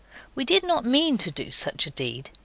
We did not mean to do such a deed.